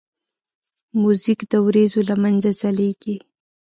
موزیک د وریځو له منځه ځلیږي.